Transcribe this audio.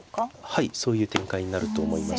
はいそういう展開になると思います。